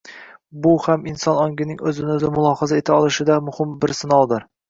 Bu ham inson ongining o`z-o`zini mulohaza eta olishida muhim bir sinovdir